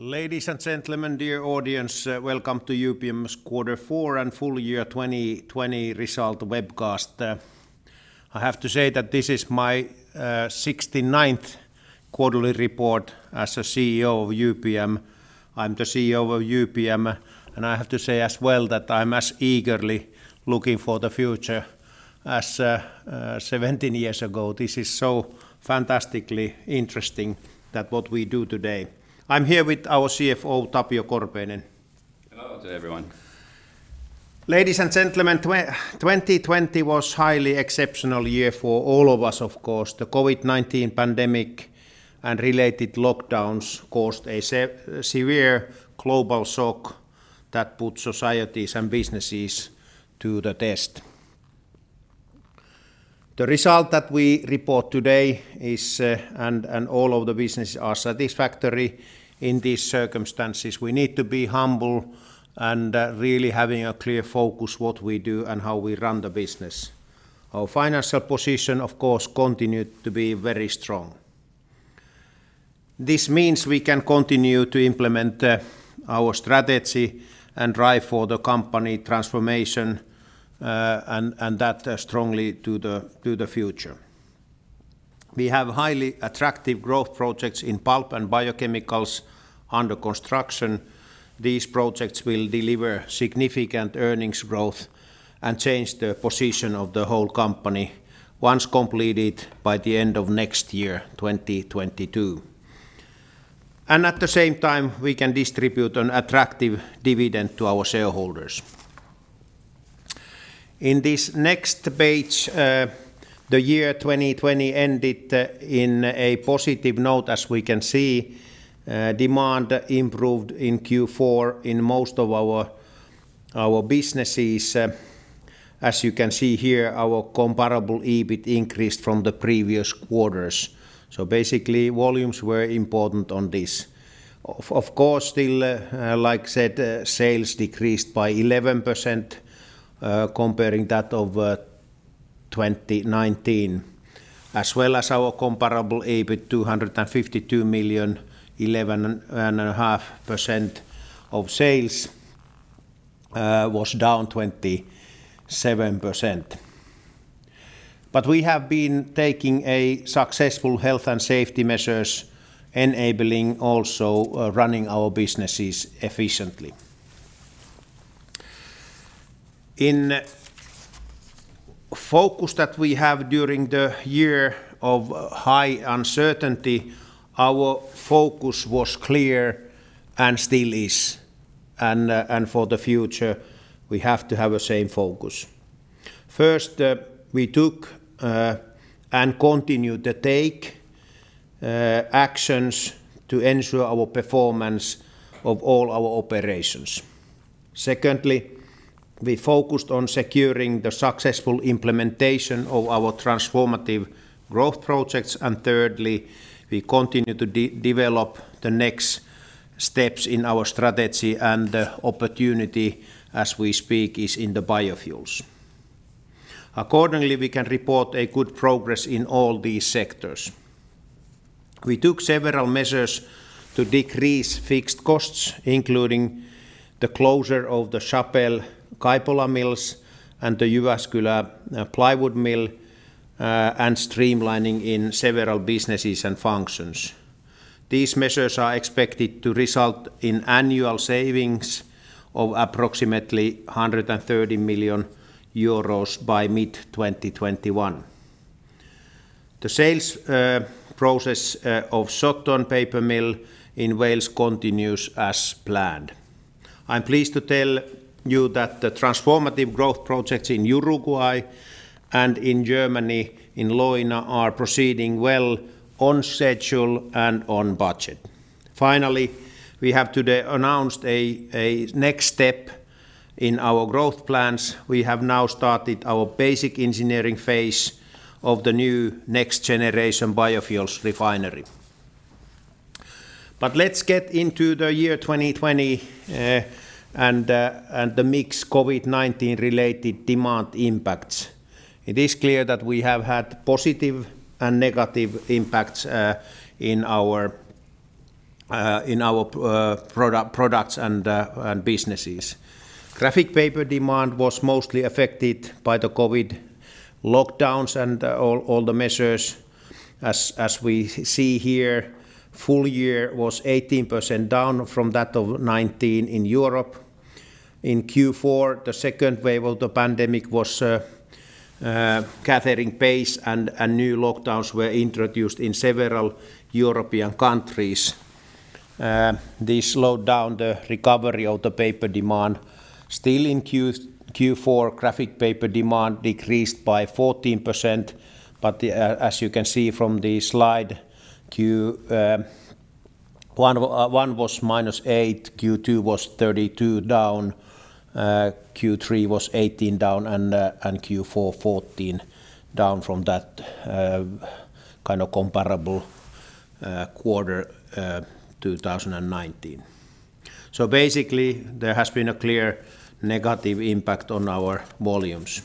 Ladies and gentlemen, dear audience, welcome to UPM's quarter four and full year 2020 result webcast. I have to say that this is my 69th quarterly report as a CEO of UPM. I'm the CEO of UPM, and I have to say as well that I'm as eagerly looking for the future as 17 years ago. This is so fantastically interesting that what we do today. I'm here with our CFO, Tapio Korpeinen. Hello to everyone. Ladies and gentlemen, 2020 was highly exceptional year for all of us, of course. The COVID-19 pandemic and related lockdowns caused a severe global shock that put societies and businesses to the test. The result that we report today is, and all of the businesses are satisfactory in these circumstances. We need to be humble and really having a clear focus what we do and how we run the business. Our financial position, of course, continued to be very strong. This means we can continue to implement our strategy and drive for the company transformation, and that strongly to the future. We have highly attractive growth projects in pulp and biochemicals under construction. These projects will deliver significant earnings growth and change the position of the whole company once completed by the end of next year, 2022. At the same time, we can distribute an attractive dividend to our shareholders. In this next page, the year 2020 ended in a positive note. As we can see, demand improved in Q4 in most of our businesses. As you can see here, our comparable EBIT increased from the previous quarters. Basically, volumes were important on this. Of course, still, like I said, sales decreased by 11%, comparing that of 2019. As well as our comparable EBIT 252 million, 11.5% of sales, was down 27%. We have been taking a successful health and safety measures, enabling also running our businesses efficiently. In focus that we have during the year of high uncertainty, our focus was clear and still is, and for the future, we have to have the same focus. First, we took, and continue to take, actions to ensure our performance of all our operations. Secondly, we focused on securing the successful implementation of our transformative growth projects, and thirdly, we continue to develop the next steps in our strategy and opportunity as we speak is in the biofuels. Accordingly, we can report good progress in all these sectors. We took several measures to decrease fixed costs, including the closure of the Chapelle Kaipola mills and the Jyväskylä plywood mill, and streamlining in several businesses and functions. These measures are expected to result in annual savings of approximately 130 million euros by mid-2021. The sales process of Shotton paper mill in Wales continues as planned. I'm pleased to tell you that the transformative growth projects in Uruguay and in Germany, in Leuna, are proceeding well on schedule and on budget. Finally, we have today announced a next step in our growth plans. We have now started our basic engineering phase of the new next-generation biofuels refinery. Let's get into the year 2020, and the mixed COVID-19 related demand impacts. It is clear that we have had positive and negative impacts in our products and businesses. Graphic paper demand was mostly affected by the COVID lockdowns and all the measures. As we see here, full year was 18% down from that of 2019 in Europe. In Q4, the second wave of the pandemic was gathering pace and new lockdowns were introduced in several European countries. This slowed down the recovery of the paper demand. Still in Q4, graphic paper demand decreased by 14%, but as you can see from the slide, Q1 was minus eight, Q2 was 32 down, Q3 was 18 down, and Q4 14 down from that comparable quarter 2019. Basically, there has been a clear negative impact on our volumes.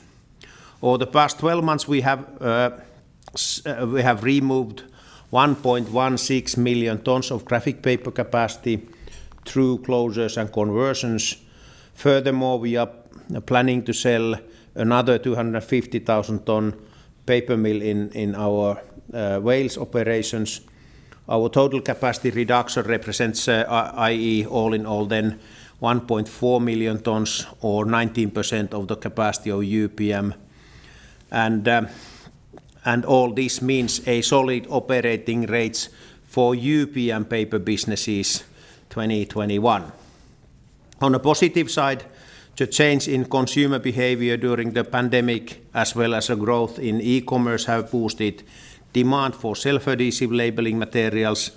Over the past 12 months, we have removed 1.16 million tons of Communication Papers capacity through closures and conversions. Furthermore, we are planning to sell another 250,000 ton paper mill in our Wales operations. Our total capacity reduction represents 1.4 million tons or 19% of the capacity of UPM. All this means a solid operating rates for UPM paper businesses 2021. On a positive side, the change in consumer behavior during the COVID-19 pandemic, as well as a growth in e-commerce, have boosted demand for Raflatac materials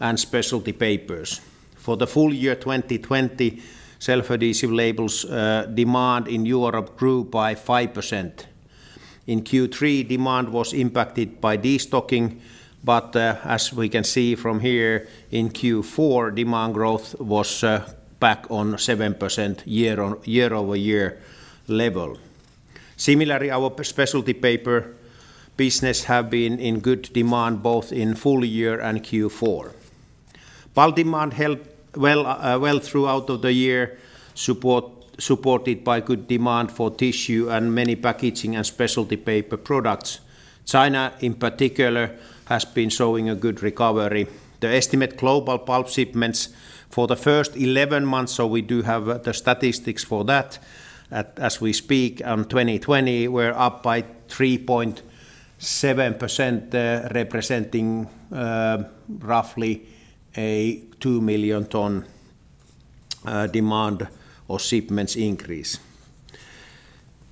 and Specialty Papers. For the full year 2020, Raflatac demand in Europe grew by 5%. In Q3, demand was impacted by de-stocking, in Q4, demand growth was back on 7% year-over-year level. Similarly, our Specialty Papers business have been in good demand both in full year and Q4. Pulp demand held well throughout of the year, supported by good demand for tissue and many packaging and Specialty Papers products. China, in particular, has been showing a good recovery. The estimate global pulp shipments for the first 11 months, so we do have the statistics for that, as we speak, 2020, we're up by 3.7%, representing roughly a 2 million ton demand or shipments increase.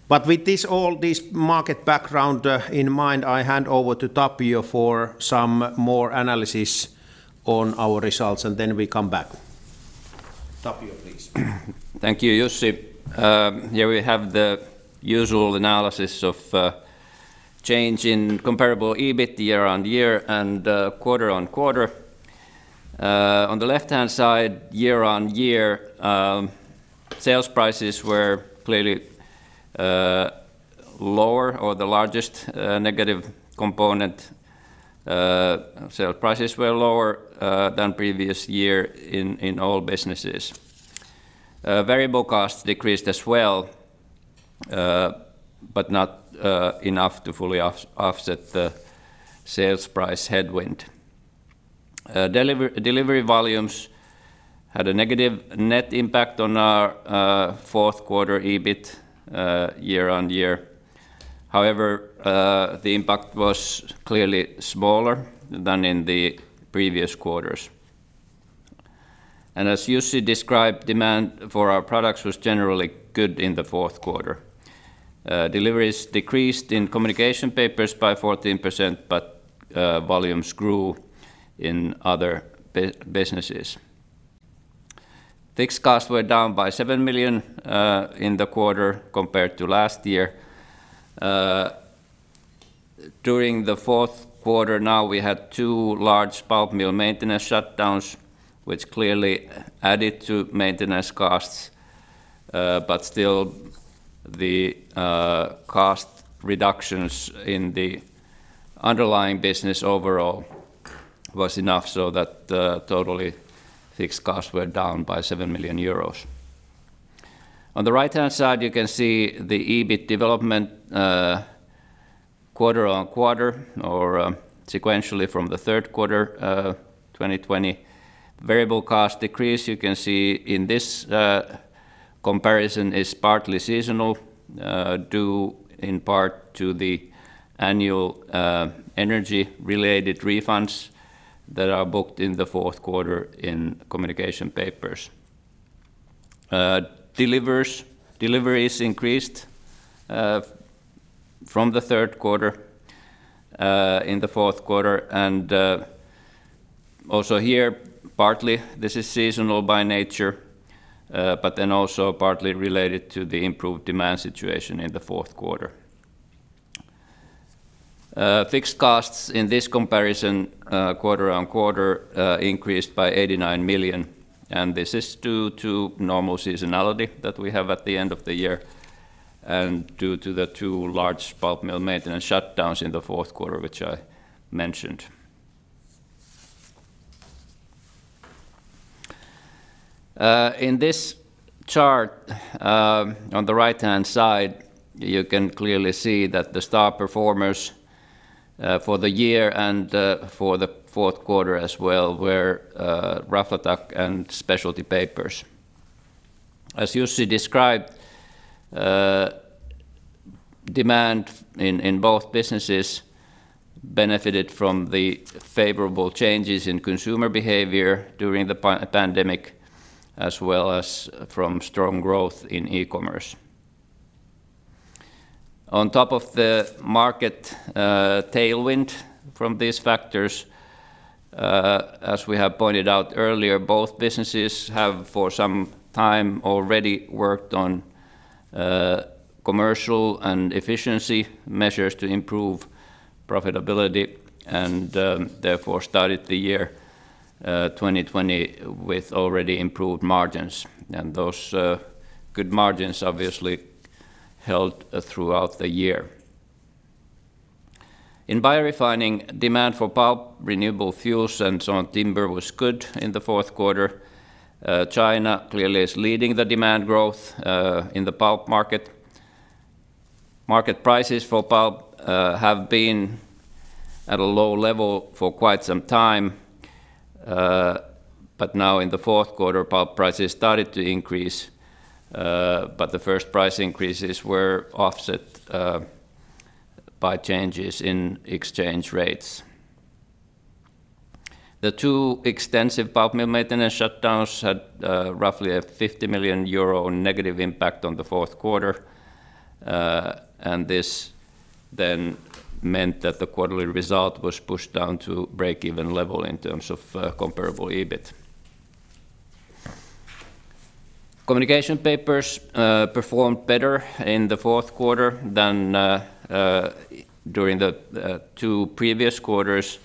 With all this market background in mind, I hand over to Tapio for some more analysis on our results, and then we come back. Tapio, please. Thank you, Jussi. Here we have the usual analysis of change in comparable EBIT year-on-year and quarter-on-quarter. On the left-hand side, year-on-year, sales prices were clearly lower or the largest negative component. Sales prices were lower than previous year in all businesses. Variable costs decreased as well, but not enough to fully offset the sales price headwind. The impact was clearly smaller than in the previous quarters. As Jussi described, demand for our products was generally good in the fourth quarter. Deliveries decreased in Communication Papers by 14%, but volumes grew in other businesses. Fixed costs were down by seven million in the quarter compared to last year. During the fourth quarter now, we had 2 large pulp mill maintenance shutdowns, which clearly added to maintenance costs, but still, the cost reductions in the underlying business overall was enough so that totally fixed costs were down by 7 million euros. On the right-hand side, you can see the EBIT development quarter-on-quarter or sequentially from the third quarter 2020. Variable cost decrease, you can see in this comparison, is partly seasonal, due in part to the annual energy-related refunds that are booked in the fourth quarter in Communication Papers. Deliveries increased from the third quarter in the fourth quarter, and also here, partly this is seasonal by nature, but then also partly related to the improved demand situation in the fourth quarter. Fixed costs in this comparison quarter-on-quarter increased by 89 million. This is due to normal seasonality that we have at the end of the year and due to the two large pulp mill maintenance shutdowns in the fourth quarter, which I mentioned. In this chart, on the right-hand side, you can clearly see that the star performers for the year and for the fourth quarter as well were Raflatac and Specialty Papers. As Jussi described, demand in both businesses benefited from the favorable changes in consumer behavior during the pandemic, as well as from strong growth in e-commerce. On top of the market tailwind from these factors, as we have pointed out earlier, both businesses have for some time already worked on commercial and efficiency measures to improve profitability and therefore started the year 2020 with already improved margins. Those good margins obviously held throughout the year. In Biorefining, demand for pulp, renewable fuels, and sawn timber was good in the fourth quarter. China clearly is leading the demand growth in the pulp market. Market prices for pulp have been at a low level for quite some time. Now in the fourth quarter, pulp prices started to increase, but the first price increases were offset by changes in exchange rates. The two extensive pulp mill maintenance shutdowns had roughly a 50 million euro negative impact on the fourth quarter. This then meant that the quarterly result was pushed down to break-even level in terms of comparable EBIT. Communication Papers performed better in the fourth quarter than during the two previous quarters,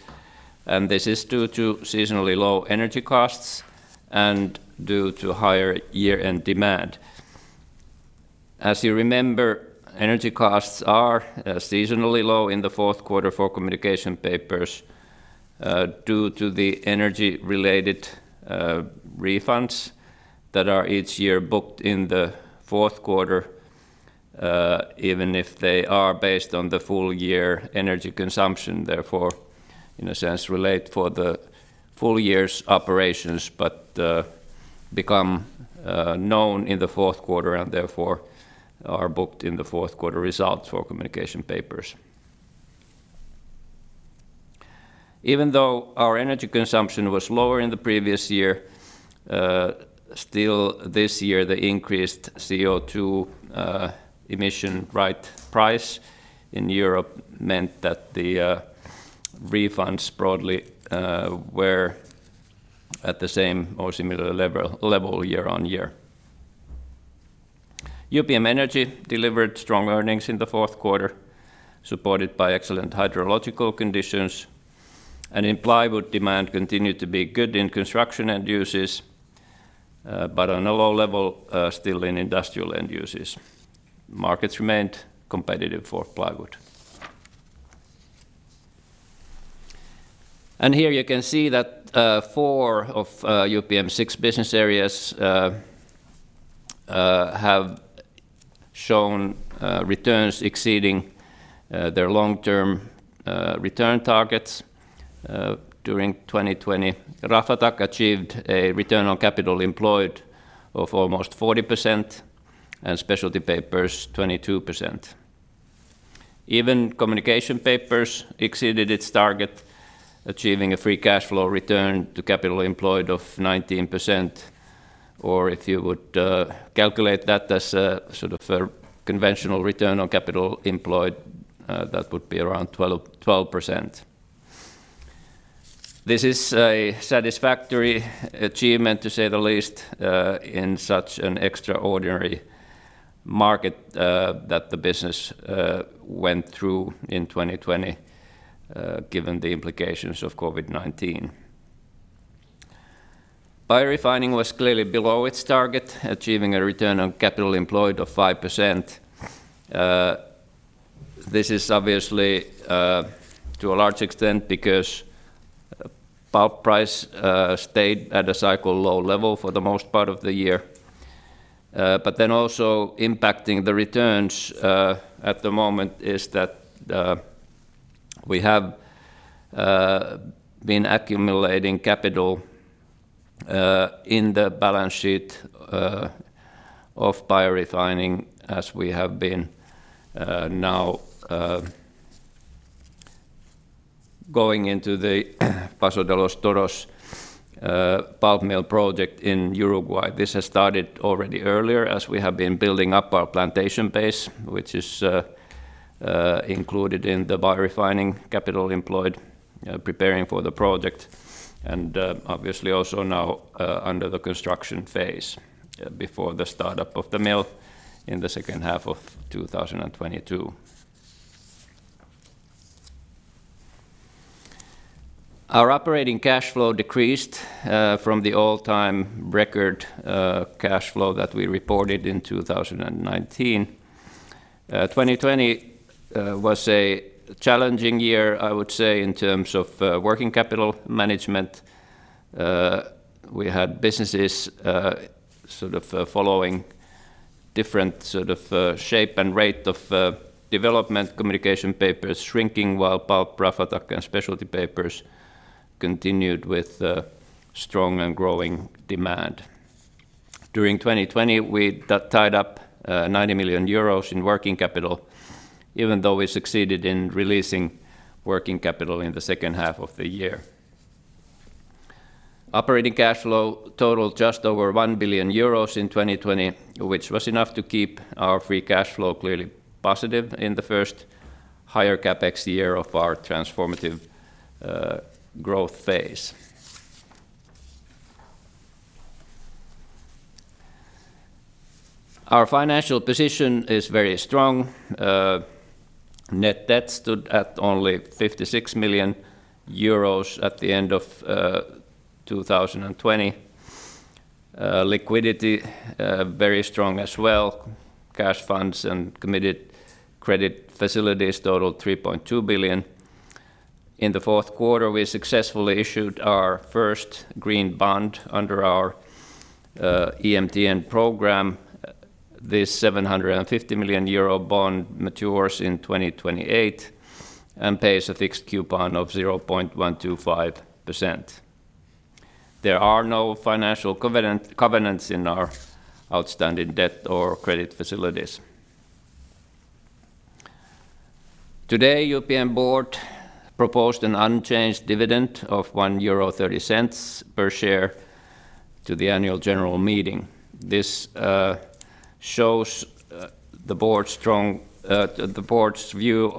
and this is due to seasonally low energy costs and due to higher year-end demand. As you remember, energy costs are seasonally low in the fourth quarter for Communication Papers due to the energy-related refunds that are each year booked in the fourth quarter, even if they are based on the full year energy consumption, therefore, in a sense, relate for the full year's operations, but become known in the fourth quarter and therefore are booked in the fourth quarter results for Communication Papers. Even though our energy consumption was lower in the previous year, still this year, the increased CO2 emission right price in Europe meant that the refunds broadly were at the same or similar level year-on-year. UPM Energy delivered strong earnings in the fourth quarter, supported by excellent hydrological conditions, and in plywood demand continued to be good in construction end uses, but on a low level still in industrial end uses. Markets remained competitive for plywood. Here you can see that four of UPM's six business areas have shown returns exceeding their long-term return targets during 2020. Raflatac achieved a return on capital employed of almost 40%, and Specialty Papers 22%. Even Communication Papers exceeded its target, achieving a free cash flow return on capital employed of 19%, or if you would calculate that as a conventional return on capital employed, that would be around 12%. This is a satisfactory achievement, to say the least, in such an extraordinary market that the business went through in 2020 given the implications of COVID-19. Biorefining was clearly below its target, achieving a return on capital employed of 5%. This is obviously to a large extent because pulp price stayed at a cycle low level for the most part of the year. Also impacting the returns at the moment is that we have been accumulating capital in the balance sheet of Biorefining as we have been now going into the Paso de los Toros pulp mill project in Uruguay. This has started already earlier as we have been building up our plantation base, which is included in the Biorefining capital employed preparing for the project, and obviously also now under the construction phase before the startup of the mill in the second half of 2022. Our operating cash flow decreased from the all-time record cash flow that we reported in 2019. 2020 was a challenging year, I would say, in terms of working capital management. We had businesses following different shape and rate of development. Communication Papers shrinking while pulp, Raflatac, and Specialty Papers continued with strong and growing demand. During 2020, we tied up 90 million euros in working capital, even though we succeeded in releasing working capital in the second half of the year. Operating cash flow totaled just over 1 billion euros in 2020, which was enough to keep our free cash flow clearly positive in the first higher CapEx year of our transformative growth phase. Our financial position is very strong. Net debt stood at only 56 million euros at the end of 2020. Liquidity very strong as well. Cash funds and committed credit facilities totaled 3.2 billion. In the fourth quarter, we successfully issued our first green bond under our EMTN program. This 750 million euro bond matures in 2028 and pays a fixed coupon of 0.125%. There are no financial covenants in our outstanding debt or credit facilities. Today, UPM Board proposed an unchanged dividend of 1.30 euro per share to the annual general meeting. This shows the board's view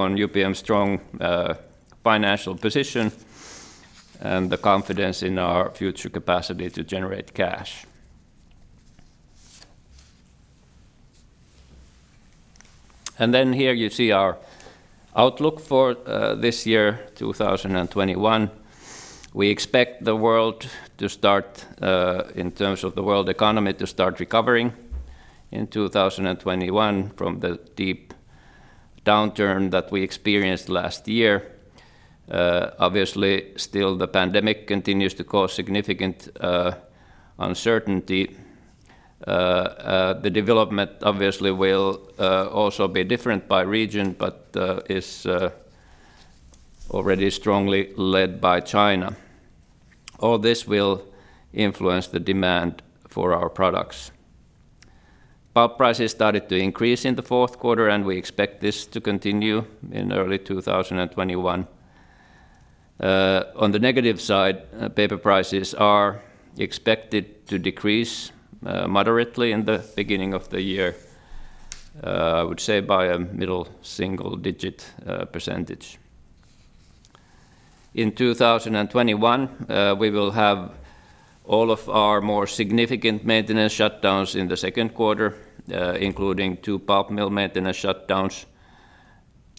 on UPM's strong financial position and the confidence in our future capacity to generate cash. Here you see our outlook for this year, 2021. We expect the world economy to start recovering in 2021 from the deep downturn that we experienced last year. Obviously, still the pandemic continues to cause significant uncertainty. The development obviously will also be different by region, but is already strongly led by China. All this will influence the demand for our products. Pulp prices started to increase in the fourth quarter, and we expect this to continue in early 2021. On the negative side, paper prices are expected to decrease moderately in the beginning of the year, I would say by a middle single-digit percentage. In 2021, we will have all of our more significant maintenance shutdowns in the second quarter, including two pulp mill maintenance shutdowns.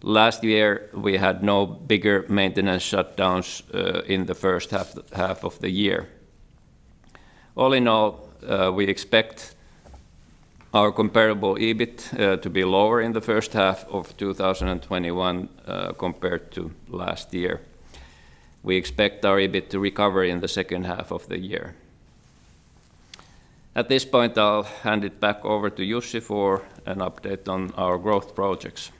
Last year, we had no bigger maintenance shutdowns in the first half of the year. All in all, we expect our comparable EBIT to be lower in the first half of 2021 compared to last year. We expect our EBIT to recover in the second half of the year. At this point, I'll hand it back over to Jussi for an update on our growth projects.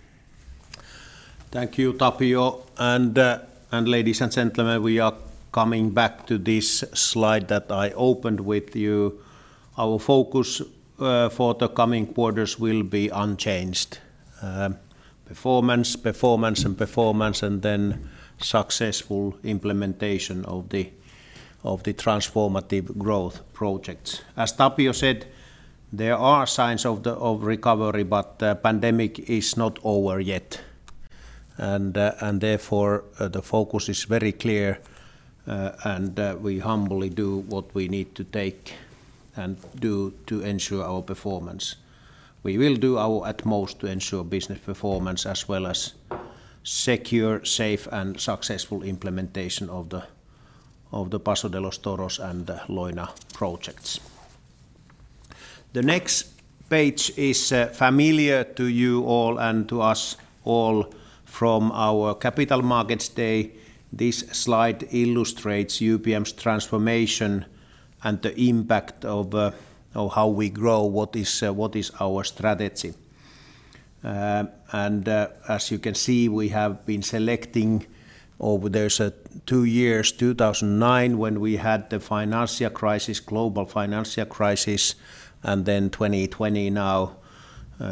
Thank you, Tapio. Ladies and gentlemen, we are coming back to this slide that I opened with you. Our focus for the coming quarters will be unchanged. Performance, performance, and performance, successful implementation of the transformative growth projects. As Tapio said, there are signs of recovery, the pandemic is not over yet. Therefore, the focus is very clear, we humbly do what we need to take and do to ensure our performance. We will do our utmost to ensure business performance as well as secure, safe, and successful implementation of the Paso de los Toros and Leuna projects. The next page is familiar to you all and to us all from our Capital Markets Day. This slide illustrates UPM's transformation and the impact of how we grow, what is our strategy. As you can see, we have been selecting over those two years, 2009 when we had the global financial crisis, then 2020 now,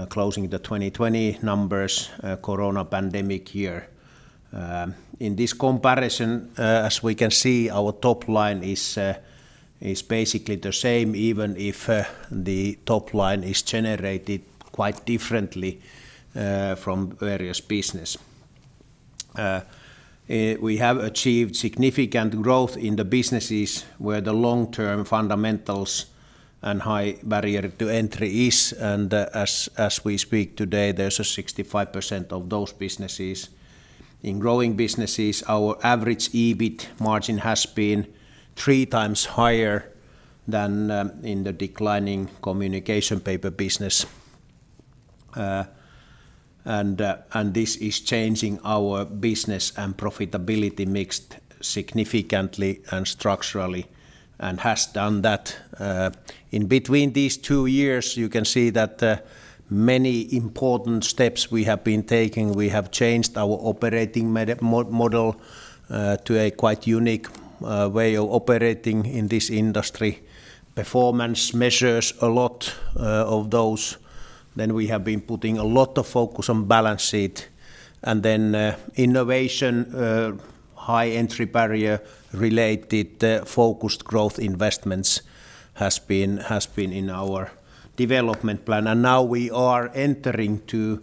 closing the 2020 numbers, COVID-19 pandemic year. In this comparison, as we can see, our top line is basically the same even if the top line is generated quite differently from various business. We have achieved significant growth in the businesses where the long-term fundamentals and high barrier to entry is, and as we speak today, there's a 65% of those businesses. In growing businesses, our average EBIT margin has been 3x higher than in the declining Communication Papers business. This is changing our business and profitability mix significantly and structurally, and has done that. In between these two years, you can see that many important steps we have been taking. We have changed our operating model to a quite unique way of operating in this industry. Performance measures a lot of those. We have been putting a lot of focus on balance sheet. Innovation, high entry barrier-related focused growth investments has been in our development plan. We are entering to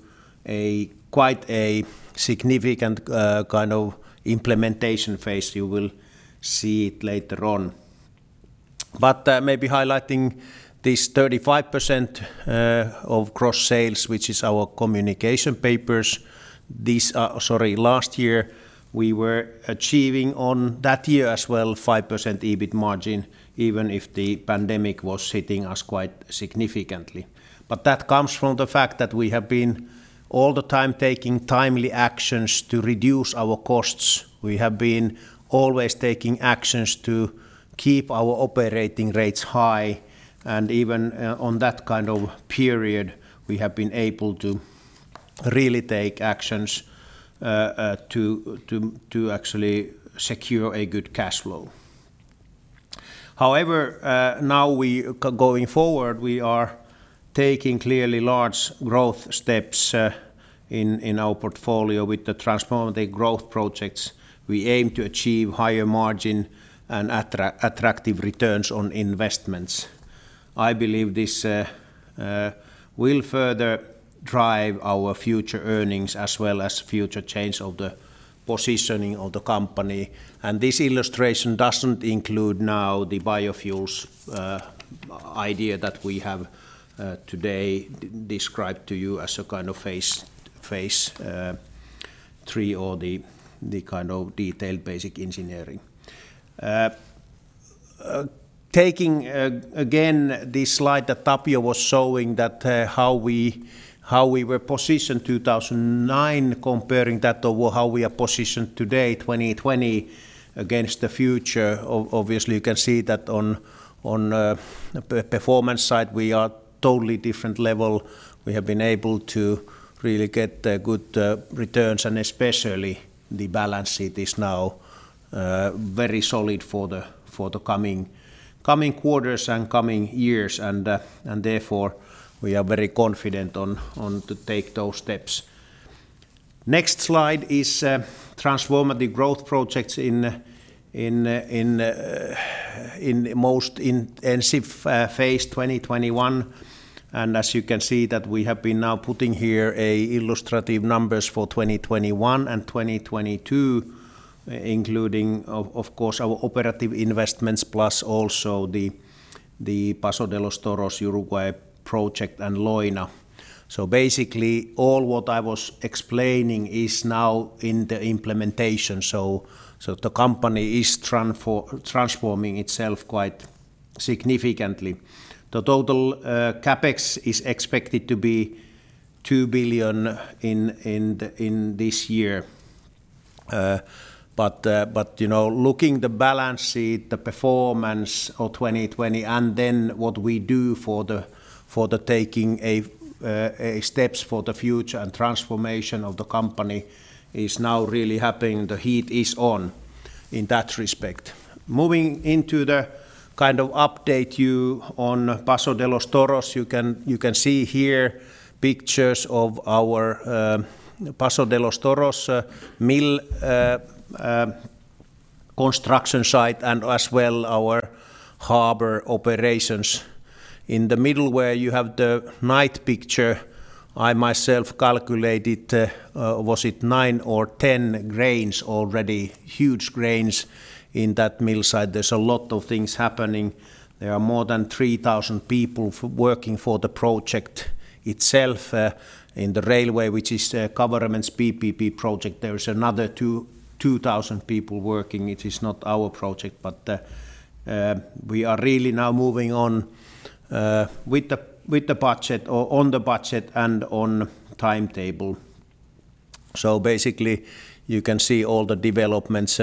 a quite significant kind of implementation phase. You will see it later on. Maybe highlighting this 35% of gross sales, which is our Communication Papers. Last year, we were achieving on that year as well 5% EBIT margin, even if the pandemic was hitting us quite significantly. That comes from the fact that we have been all the time taking timely actions to reduce our costs. We have been always taking actions to keep our operating rates high, and even on that kind of period, we have been able to really take actions to actually secure a good cash flow. However, now going forward, we are taking clearly large growth steps in our portfolio with the transformative growth projects. We aim to achieve higher margin and attractive returns on investments. I believe this will further drive our future earnings, as well as future change of the positioning of the company. This illustration doesn't include now the Biofuels idea that we have today described to you as a kind of phase III or the detailed basic engineering. Taking again this slide that Tapio was showing that how we were positioned 2009, comparing that to how we are positioned today, 2020, against the future, obviously, you can see that on the performance side, we are totally different level. We have been able to really get good returns, especially the balance sheet is now very solid for the coming quarters and coming years. Therefore, we are very confident to take those steps. Next slide is transformative growth projects in most intensive phase 2021. As you can see that we have been now putting here illustrative numbers for 2021 and 2022, including, of course, our operative investments plus also the Paso de los Toros Uruguay project and Leuna. Basically, all what I was explaining is now in the implementation. The company is transforming itself quite significantly. The total CapEx is expected to be 2 billion in this year. Looking the balance sheet, the performance of 2020, and then what we do for the taking steps for the future and transformation of the company is now really happening. The heat is on in that respect. Moving into the kind of update you on Paso de los Toros, you can see here pictures of our Paso de los Toros mill construction site and as well our harbor operations. In the middle where you have the night picture, I myself calculated, was it nine or 10 cranes already, huge cranes in that mill site. There's a lot of things happening. There are more than 3,000 people working for the project itself. In the railway, which is government's PPP project, there is another 2,000 people working. It is not our project. We are really now moving on with the budget and on timetable. Basically, you can see all the developments.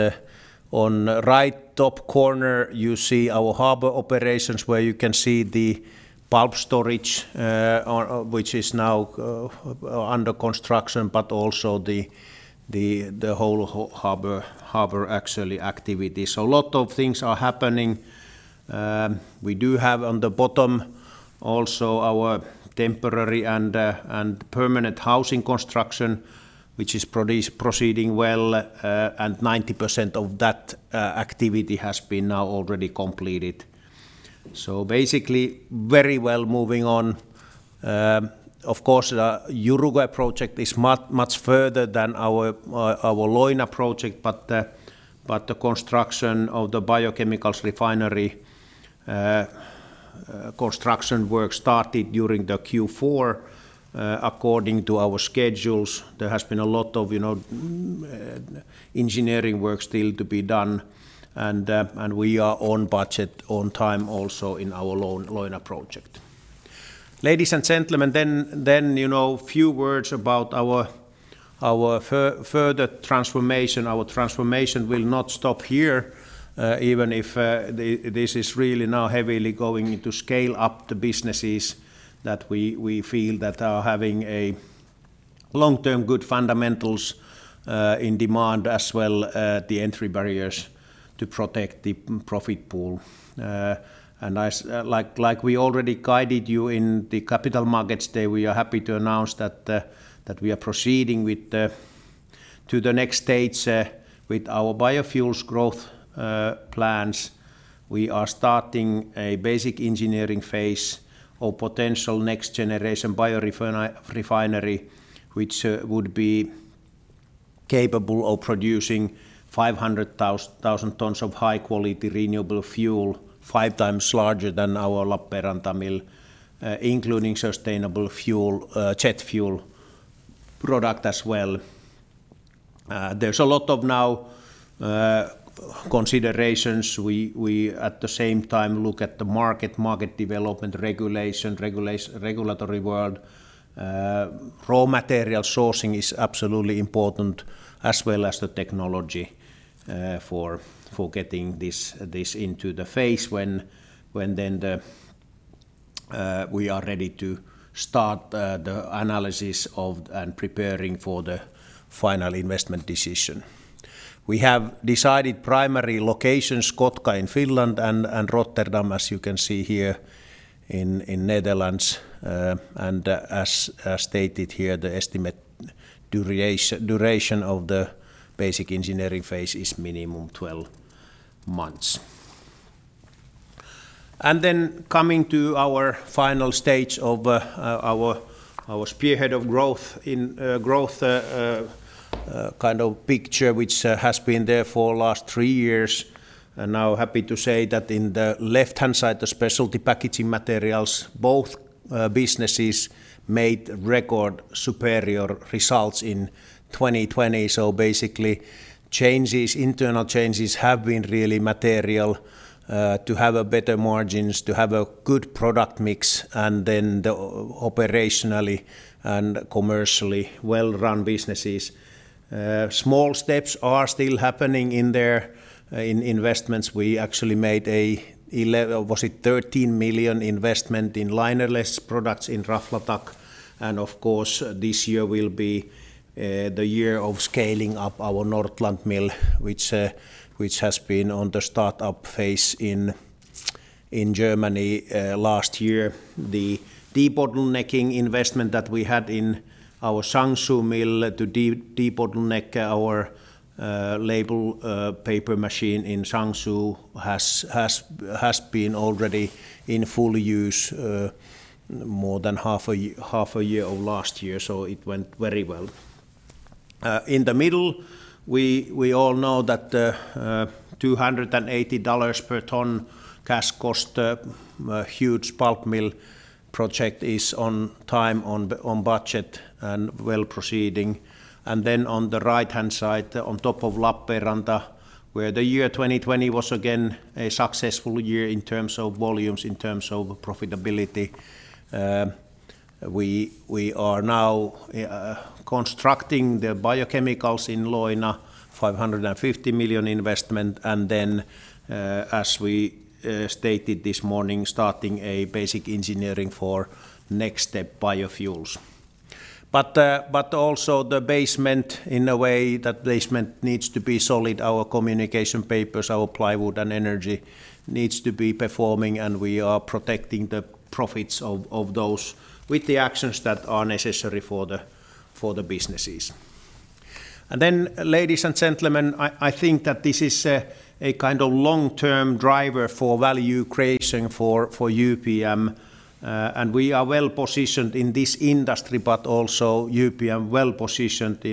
On right top corner, you see our harbor operations where you can see the pulp storage, which is now under construction, but also the whole harbor actually activity. A lot of things are happening. We do have on the bottom also our temporary and permanent housing construction, which is proceeding well, and 90% of that activity has been now already completed. Basically, very well moving on. Of course Uruguay project is much further than our Leuna project, the construction of the biochemicals refinery construction work started during the Q4 according to our schedules. There has been a lot of engineering work still to be done, we are on budget, on time also in our Leuna project. Ladies and gentlemen, few words about our further transformation. Our transformation will not stop here, even if this is really now heavily going to scale up the businesses that we feel that are having a long-term good fundamentals in demand, as well the entry barriers to protect the profit pool. Like we already guided you in the Capital Markets Day, we are happy to announce that we are proceeding to the next stage with our biofuels growth plans. We are starting a basic engineering phase of potential next-generation biorefinery, which would be capable of producing 500,000 tons of high-quality renewable fuel, 3x larger than our Lappeenranta mill, including sustainable jet fuel product as well. There's a lot of considerations now. We at the same time look at the market development, regulation, regulatory world. Raw material sourcing is absolutely important, as well as the technology for getting this into the phase when then we are ready to start the analysis and preparing for the final investment decision. We have decided primary locations, Kotka in Finland and Rotterdam, as you can see here, in Netherlands. As stated here, the estimate duration of the basic engineering phase is minimum 12 months. Coming to our final stage of our spearhead of growth kind of picture, which has been there for last three years. Now happy to say that in the left-hand side, the specialty packaging materials, both businesses made record superior results in 2020. Basically, internal changes have been really material to have better margins, to have a good product mix, and then the operationally and commercially well-run businesses. Small steps are still happening in there in investments. We actually made a 11 million, was it 13 million investment in linerless products in Raflatac. Of course, this year will be the year of scaling up our Nordland mill, which has been on the startup phase in Germany last year. The debottlenecking investment that we had in our Changshu mill to debottleneck our label paper machine in Changshu has been already in full use more than half a year of last year. It went very well. In the middle, we all know that $280 per ton cash cost, huge pulp mill project is on time, on budget, and well proceeding. Then on the right-hand side, on top of Lappeenranta, where the year 2020 was again a successful year in terms of volumes, in terms of profitability. We are now constructing the biochemicals in Leuna, 550 million investment. As we stated this morning, starting a basic engineering for next step Biofuels. The basement in a way, that basement needs to be solid. Our Communication Papers, our plywood and Energy needs to be performing, and we are protecting the profits of those with the actions that are necessary for the businesses. Ladies and gentlemen, I think that this is a kind of long-term driver for value creation for UPM, and we are well-positioned in this industry, but also UPM well-positioned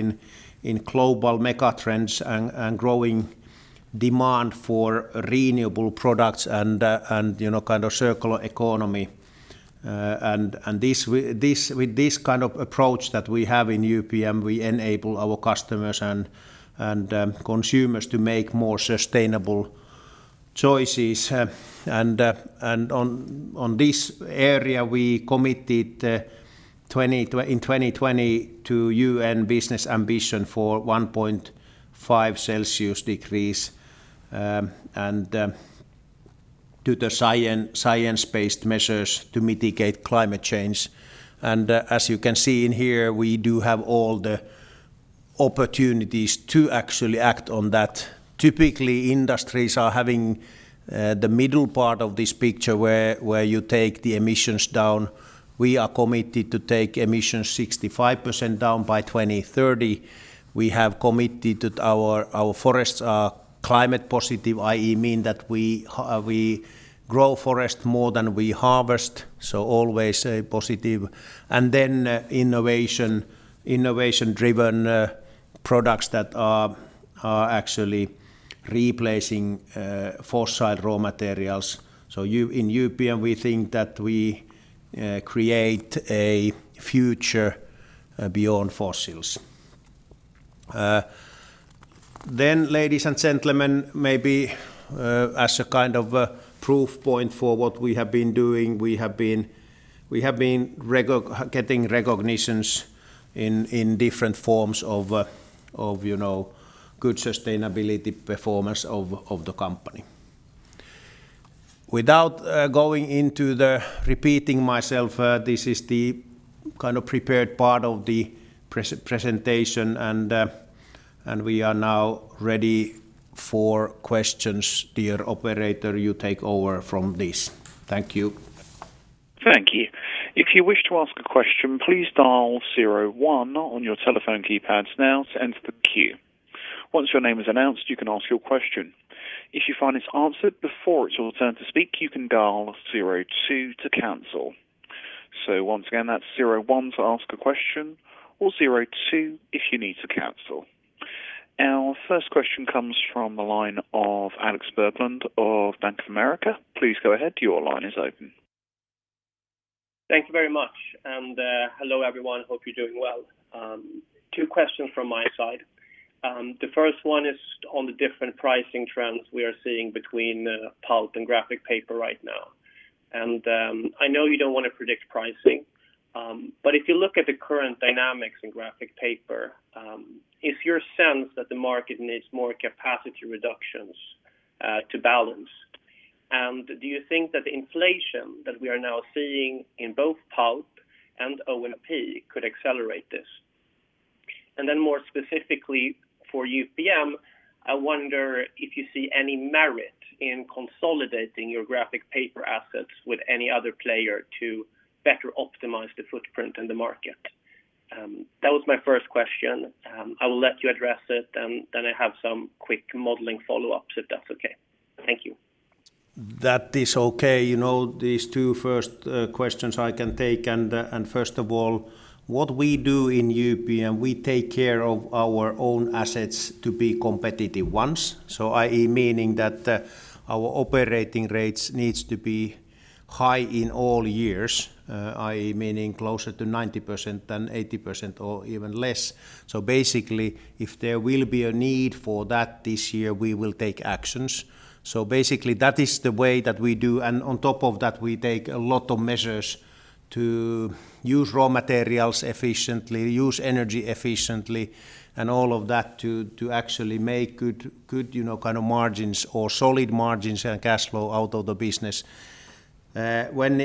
in global mega trends and growing demand for renewable products and kind of circular economy. With this kind of approach that we have in UPM, we enable our customers and consumers to make more sustainable choices. On this area, we committed in 2020 to UN Business Ambition for 1.5C, and to the science-based measures to mitigate climate change. As you can see in here, we do have all the opportunities to actually act on that. Typically, industries are having the middle part of this picture where you take the emissions down. We are committed to take emissions 65% down by 2030. We have committed that our forests are climate positive, i.e., mean that we grow forest more than we harvest, so always positive. Then innovation-driven products that are actually replacing fossil raw materials. In UPM, we think that we create a future beyond fossils. Ladies and gentlemen, maybe as a kind of proof point for what we have been doing, we have been getting recognitions in different forms of good sustainability performance of the company. Without going into the repeating myself, this is the kind of prepared part of the presentation, and we are now ready for questions. Dear operator, you take over from this. Thank you. Thank you. Our first question comes from the line of Alex Berglund of Bank of America. Thank you very much. Hello, everyone. Hope you're doing well. Two questions from my side. The first one is on the different pricing trends we are seeing between pulp and graphic paper right now. I know you don't want to predict pricing, but if you look at the current dynamics in graphic paper, is your sense that the market needs more capacity reductions to balance? Do you think that the inflation that we are now seeing in both pulp and ONP could accelerate this? Then more specifically for UPM, I wonder if you see any merit in consolidating your graphic paper assets with any other player to better optimize the footprint in the market. That was my first question. I will let you address it, and then I have some quick modeling follow-ups, if that's okay. Thank you. That is okay. These two first questions I can take. First of all, what we do in UPM, we take care of our own assets to be competitive ones. I.e., meaning that our operating rates needs to be high in all years. I.e., meaning closer to 90% than 80% or even less. Basically, if there will be a need for that this year, we will take actions. Basically, that is the way that we do. On top of that, we take a lot of measures to use raw materials efficiently, use energy efficiently, and all of that to actually make good kind of margins or solid margins and cash flow out of the business. When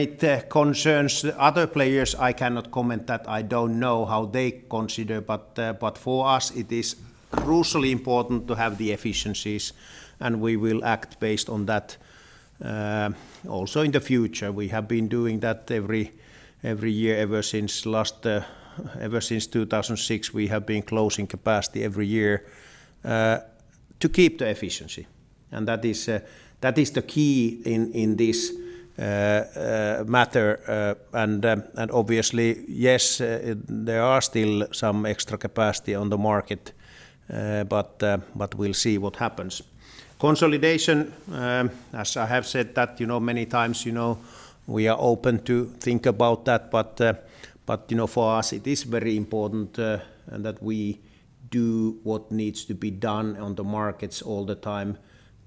it concerns other players, I cannot comment that I don't know how they consider. For us, it is crucially important to have the efficiencies, and we will act based on that also in the future. We have been doing that every year ever since 2006. We have been closing capacity every year to keep the efficiency, and that is the key in this matter. Obviously, yes, there are still some extra capacity on the market, but we will see what happens. Consolidation, as I have said that many times, we are open to think about that. For us, it is very important that we do what needs to be done on the markets all the time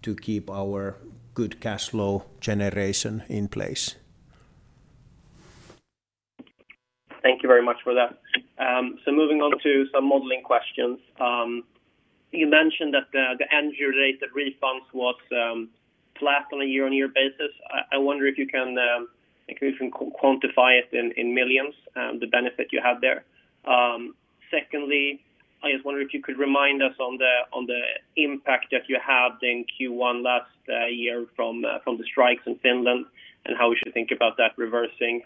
to keep our good cash flow generation in place. Thank you very much for that. Moving on to some modeling questions. You mentioned that the energy-related refunds was flat on a year-on-year basis. I wonder if you can quantify it in millions of EUR, the benefit you have there. Secondly, I just wonder if you could remind us on the impact that you had in Q1 last year from the strikes in Finland and how we should think about that reversing.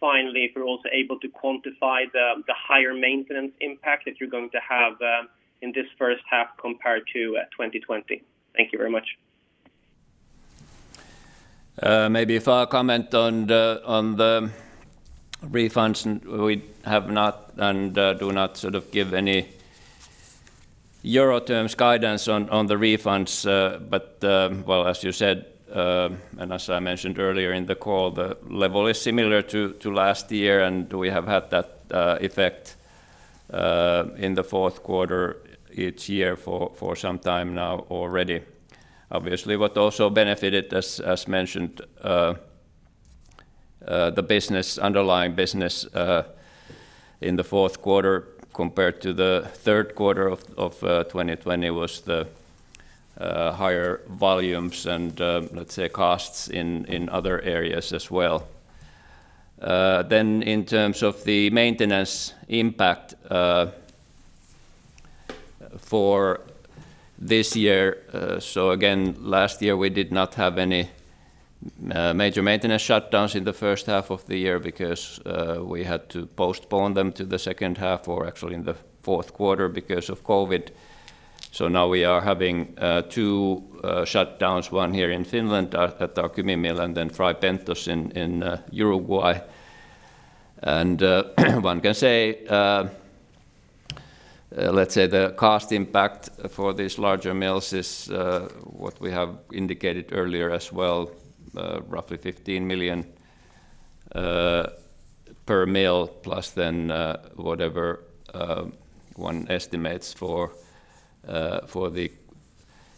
Finally, if you're also able to quantify the higher maintenance impact that you're going to have in this first half compared to 2020. Thank you very much. Maybe if I comment on the refunds, we have not and do not give any EUR terms guidance on the refunds. Well, as you said, and as I mentioned earlier in the call, the level is similar to last year, and we have had that effect in the fourth quarter each year for some time now already. Obviously, what also benefited, as mentioned, the underlying business in the fourth quarter compared to the third quarter of 2020 was the higher volumes and let's say costs in other areas as well. In terms of the maintenance impact for this year. Again, last year we did not have any major maintenance shutdowns in the first half of the year because we had to postpone them to the second half or actually in the fourth quarter because of COVID. Now we are having two shutdowns, one here in Finland at our Kymi mill and then Fray Bentos in Uruguay. One can say, let's say the cost impact for these larger mills is what we have indicated earlier as well, roughly 15 million per mill, plus then whatever one estimates for the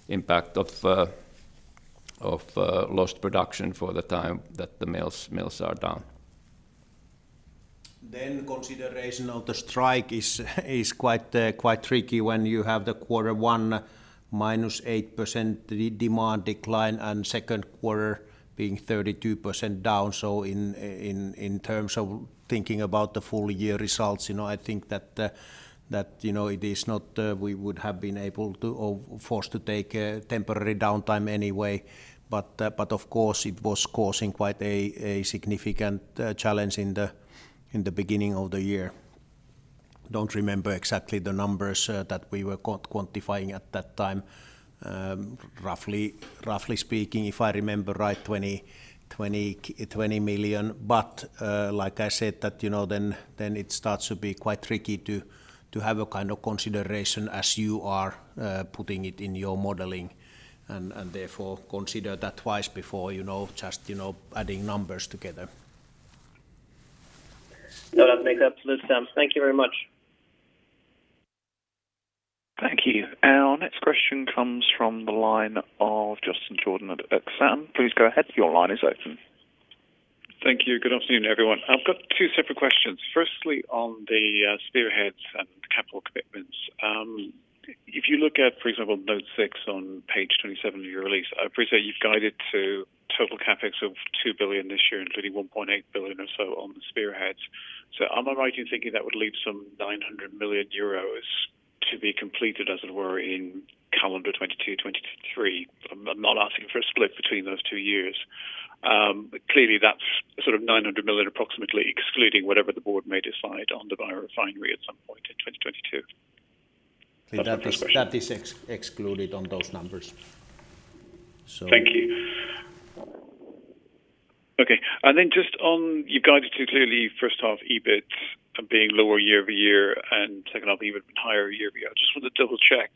impact of lost production for the time that the mills are down. Consideration of the strike is quite tricky when you have the quarter one -8% demand decline and second quarter being 32% down. In terms of thinking about the full year results, I think that we would have been able to or forced to take a temporary downtime anyway. Of course, it was causing quite a significant challenge in the beginning of the year. I don't remember exactly the numbers that we were quantifying at that time. Roughly speaking, if I remember right, 20 million. Like I said, then it starts to be quite tricky to have a consideration as you are putting it in your modeling, and therefore consider that twice before just adding numbers together. No, that makes absolute sense. Thank you very much. Thank you. Our next question comes from the line of Justin Jordan at Exane. Please go ahead, your line is open. Thank you. Good afternoon, everyone. I've got two separate questions. Firstly, on the spearheads and capital commitments. If you look at, for example, note six on page 27 of your release, I appreciate you've guided to total CapEx of 2 billion this year, including 1.8 billion or so on the spearheads. Am I right in thinking that would leave some 900 million euros to be completed, as it were, in calendar 2022/2023? I'm not asking for a split between those two years. Clearly, that's 900 million approximately, excluding whatever the board may decide on the biorefinery at some point in 2022. That's my first question. That is excluded on those numbers. Thank you. Okay. Just on, you guided to clearly first half EBIT being lower year-over-year and second half EBIT higher year-over-year. I just wanted to double-check,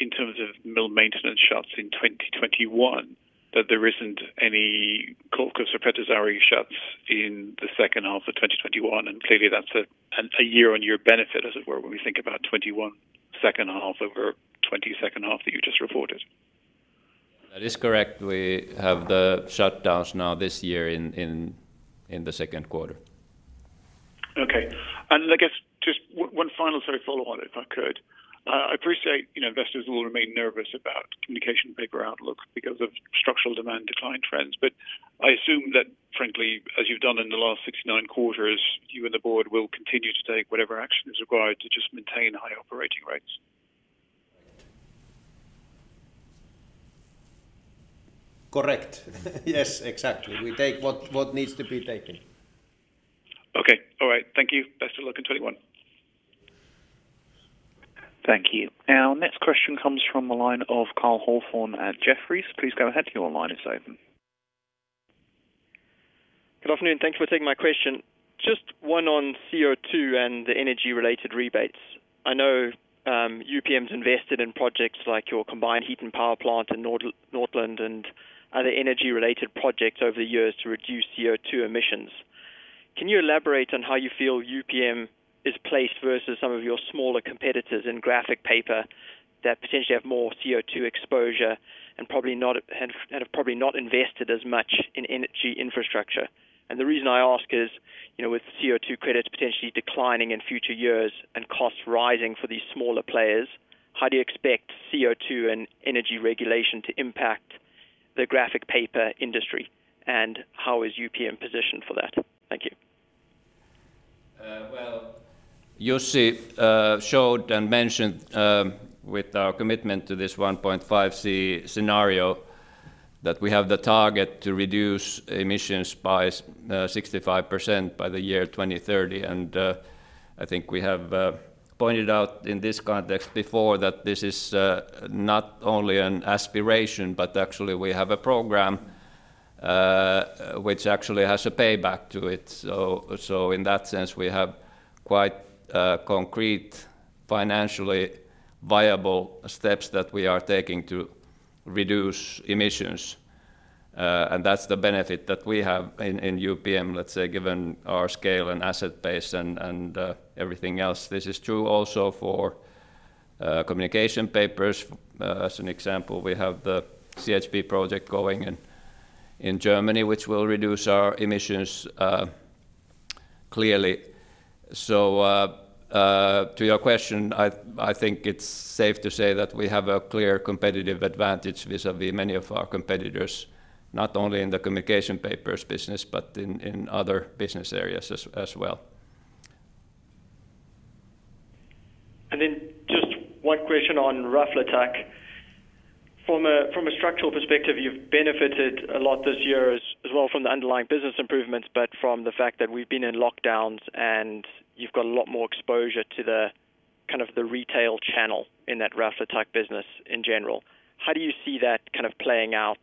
in terms of mill maintenance shuts in 2021, that there isn't any Kaukas or Pietarsaari shuts in the second half of 2021. Clearly that's a year-on-year benefit, as it were, when we think about 2021 second half over 2020 second half that you just reported. That is correct. We have the shutdowns now this year in the second quarter. Okay. I guess just one final follow on, if I could. I appreciate investors will remain nervous about Communication Papers outlook because of structural demand decline trends. I assume that frankly, as you've done in the last 69 quarters, you and the board will continue to take whatever action is required to just maintain high operating rates. Correct. Yes, exactly. We take what needs to be taken. Okay. All right. Thank you. Best of luck in 2021. Thank you. Our next question comes from the line of Cole Hathorn at Jefferies. Please go ahead, your line is open. Good afternoon. Thank you for taking my question. One on CO2 and the energy-related rebates. I know UPM's invested in projects like your combined heat and power plant in Nordland and other energy-related projects over the years to reduce CO2 emissions. Can you elaborate on how you feel UPM is placed versus some of your smaller competitors in graphic paper that potentially have more CO2 exposure, and have probably not invested as much in energy infrastructure? The reason I ask is, with CO2 credits potentially declining in future years and costs rising for these smaller players, how do you expect CO2 and energy regulation to impact the graphic paper industry? How is UPM positioned for that? Thank you. Well, Jussi showed and mentioned with our commitment to this 1.5C scenario that we have the target to reduce emissions by 65% by the year 2030. I think we have pointed out in this context before that this is not only an aspiration, but actually we have a program which actually has a payback to it. In that sense, we have quite concrete, financially viable steps that we are taking to reduce emissions. That's the benefit that we have in UPM, let's say, given our scale and asset base and everything else. This is true also for Communication Papers. As an example, we have the CHP project going in Germany, which will reduce our emissions clearly. To your question, I think it's safe to say that we have a clear competitive advantage vis-a-vis many of our competitors, not only in the Communication Papers business, but in other business areas as well. Just one question on Raflatac. From a structural perspective, you've benefited a lot this year as well from the underlying business improvements, but from the fact that we've been in lockdowns and you've got a lot more exposure to the retail channel in that Raflatac business in general. How do you see that playing out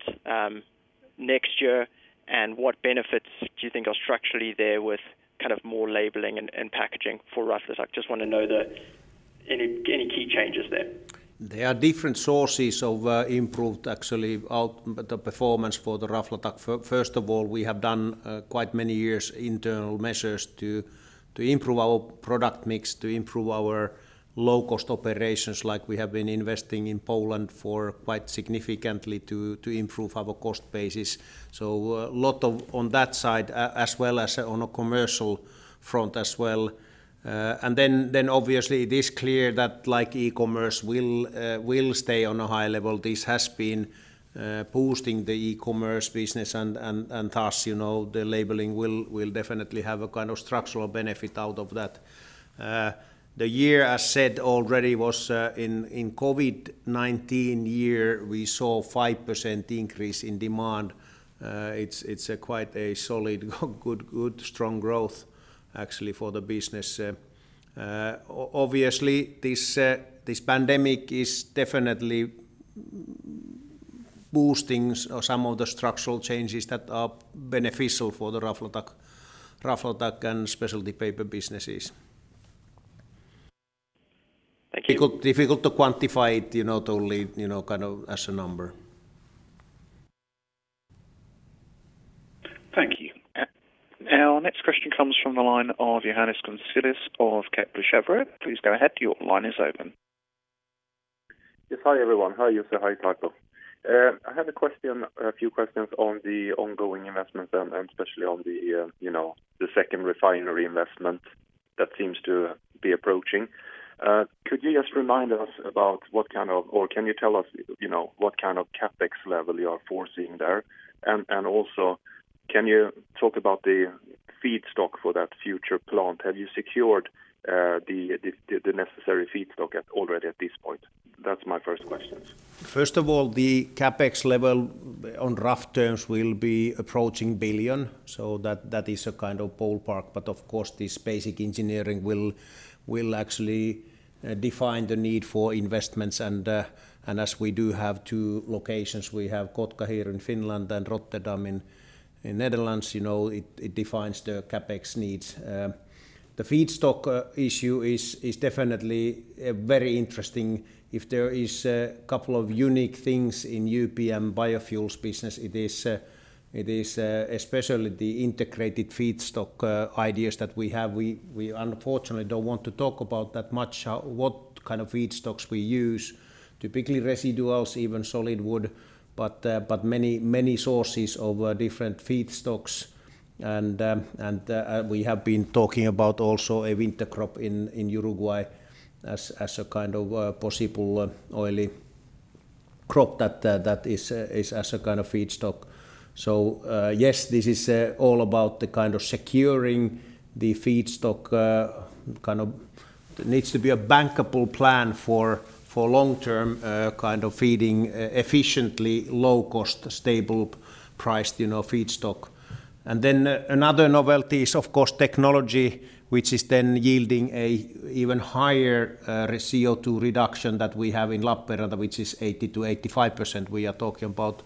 next year, and what benefits do you think are structurally there with more labeling and packaging for Raflatac? Just want to know any key changes there. There are different sources of improved, actually, performance for the Raflatac. First of all, we have done quite many years internal measures to improve our product mix, to improve our low-cost operations, like we have been investing in Poland for quite significantly to improve our cost basis. A lot on that side, as well as on a commercial front as well. Obviously it is clear that e-commerce will stay on a high level. This has been boosting the e-commerce business and thus, the labeling will definitely have a structural benefit out of that. The year, as said already, was in COVID-19 year, we saw 5% increase in demand. It's quite a solid, good, strong growth actually for the business. Obviously, this pandemic is definitely boosting some of the structural changes that are beneficial for the Raflatac and Specialty Papers businesses. Thank you. Difficult to quantify it, only as a number. Thank you. Our next question comes from the line of Johannes Grunselius of Kepler Cheuvreux. Please go ahead. Your line is open. Yes. Hi, everyone. Hi, Jussi. Hi, Tapio. I have a few questions on the ongoing investment, especially on the second refinery investment that seems to be approaching. Could you just remind us about, or can you tell us what kind of CapEx level you are foreseeing there? Also, can you talk about the feedstock for that future plant? Have you secured the necessary feedstock already at this point? That's my first question. First of all, the CapEx level on rough terms will be approaching billion. That is a kind of ballpark, but of course, this basic engineering will actually define the need for investments. As we do have two locations, we have Kotka here in Finland and Rotterdam in Netherlands, it defines the CapEx needs. The feedstock issue is definitely very interesting. If there is a couple of unique things in UPM Biofuels business, it is especially the integrated feedstock ideas that we have. We unfortunately don't want to talk about that much what kind of feedstocks we use. Typically, residuals, even solid wood, but many sources of different feedstocks. We have been talking about also a winter crop in Uruguay as a kind of possible oily crop that is as a kind of feedstock. Yes, this is all about the kind of securing the feedstock. It needs to be a bankable plan for long term, kind of feeding efficiently, low cost, stable priced feedstock. Another novelty is, of course, technology, which is then yielding an even higher CO2 reduction that we have in Lappeenranta, which is 80%-85%. We are talking about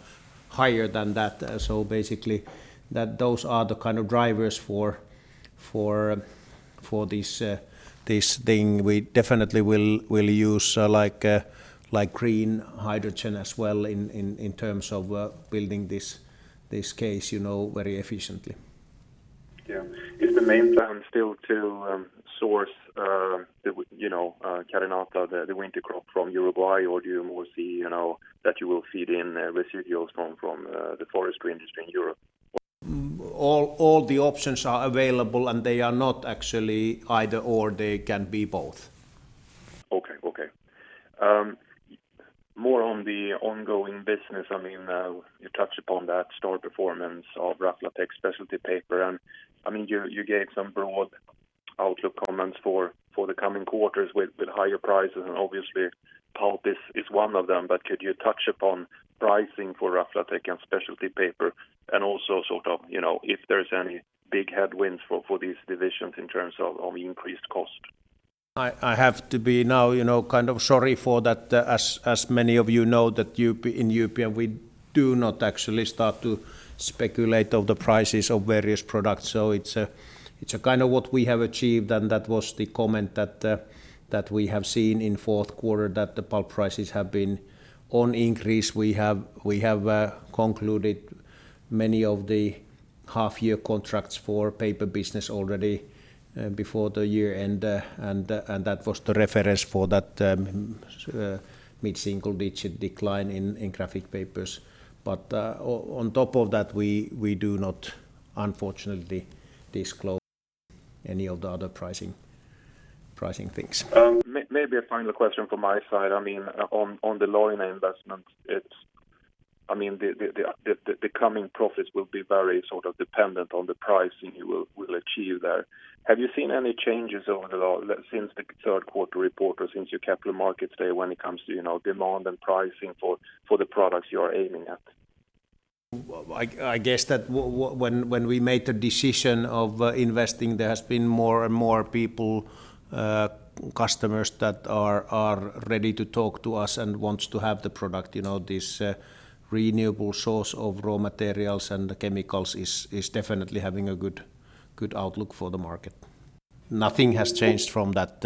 higher than that. Basically, those are the kind of drivers for this thing. We definitely will use green hydrogen as well in terms of building this case very efficiently. Is the main plan still to source carinata, the winter crop from Uruguay, or do you more see that you will feed in residuals from the forestry industry in Europe? All the options are available, and they are not actually either/or. They can be both. Okay. More on the ongoing business. You touched upon that strong performance of Raflatac, Specialty Papers, and you gave some broad outlook comments for the coming quarters with higher prices, and obviously, pulp is one of them, but could you touch upon pricing for Raflatac and Specialty Papers? Also sort of if there's any big headwinds for these divisions in terms of increased cost. I have to be now kind of sorry for that. As many of you know, in UPM, we do not actually start to speculate on the prices of various products. It's a kind of what we have achieved, and that was the comment that we have seen in fourth quarter that the pulp prices have been on increase. We have concluded many of the half-year contracts for paper business already before the year-end, and that was the reference for that mid-single digit decline in graphic papers. On top of that, we do not, unfortunately, disclose any of the other pricing things. Maybe a final question from my side. On the Leuna investment, the coming profits will be very sort of dependent on the pricing you will achieve there. Have you seen any changes since the third quarter report or since your Capital Markets Day when it comes to demand and pricing for the products you are aiming at? I guess that when we made the decision of investing, there has been more and more people, customers that are ready to talk to us and want to have the product. This renewable source of raw materials and chemicals is definitely having a good outlook for the market. Nothing has changed from that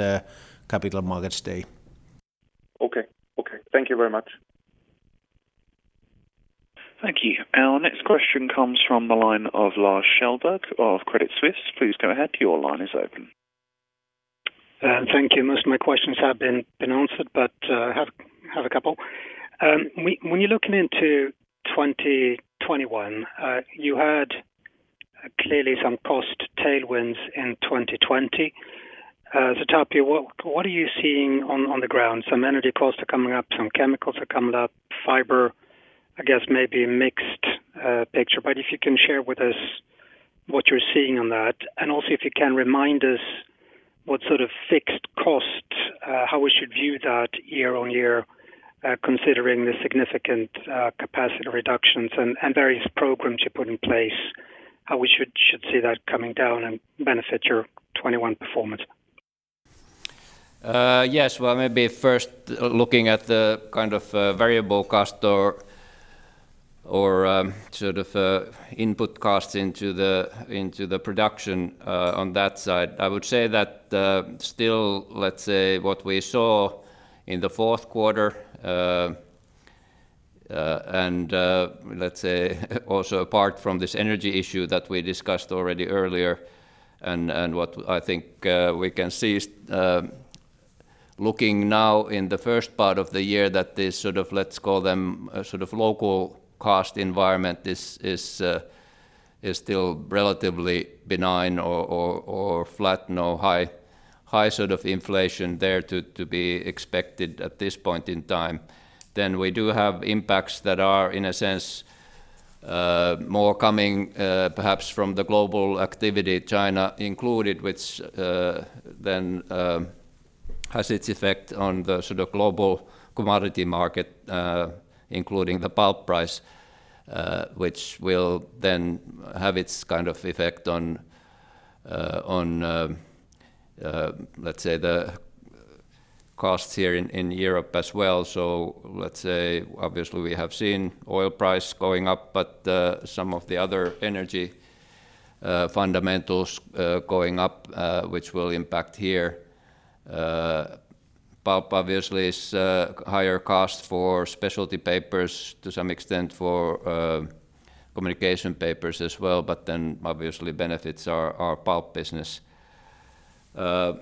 Capital Markets Day. Okay. Thank you very much. Thank you. Our next question comes from the line of Lars Kjellberg of Credit Suisse. Please go ahead, your line is open. Thank you. Most of my questions have been answered, I have a couple. When you're looking into 2021, you had clearly some cost tailwinds in 2020. Tapio, what are you seeing on the ground? Some energy costs are coming up, some chemicals are coming up, fiber, I guess maybe a mixed picture, if you can share with us what you're seeing on that. Also if you can remind us what sort of fixed costs, how we should view that year-over-year considering the significant capacity reductions and various programs you put in place. How we should see that coming down and benefit your 2021 performance? Well, maybe first looking at the variable cost or input costs into the production on that side. I would say that still, let's say what we saw in the fourth quarter, and let's say also apart from this energy issue that we discussed already earlier and what I think we can see is looking now in the first part of the year that this sort of, let's call them local cost environment is still relatively benign or flat, no high inflation there to be expected at this point in time. We do have impacts that are, in a sense, more coming perhaps from the global activity, China included, which then has its effect on the global commodity market including the pulp price, which will then have its kind of effect on let's say the costs here in Europe as well. Let's say obviously we have seen oil price going up, but some of the other energy fundamentals going up which will impact here. Pulp obviously is a higher cost for Specialty Papers, to some extent for Communication Papers as well, obviously benefits our pulp business. We